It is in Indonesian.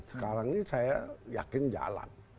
sekarang ini saya yakin jalan